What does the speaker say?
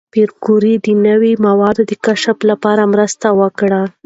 پېیر کوري د نوې ماده د کشف لپاره مرسته وکړه.